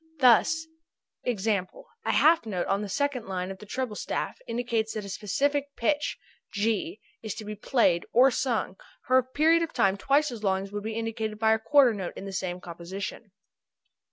Thus e.g., a half note on the second line of the treble staff indicates that a specific pitch (g') is to be played or sung for a period of time twice as long as would be indicated by a quarter note in the same composition.